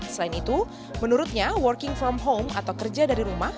selain itu menurutnya working from home atau kerja dari rumah